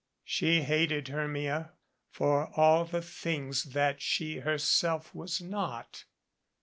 She hated Hermia for all the things that she herself was not.